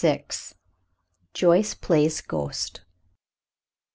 JOYCE PLAYS GHOST.